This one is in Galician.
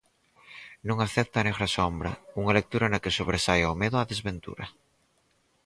Non acepta a "Negra sombra" unha lectura na que sobresaia o medo á desventura?